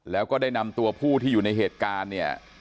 แล้วก็ได้นำตัวผู้ที่อยู่ในเหตุการณ์เนี่ย